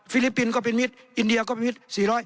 ลิปปินส์ก็เป็นมิตรอินเดียก็เป็นมิตร๔๐